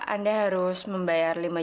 anda harus membayar lima juta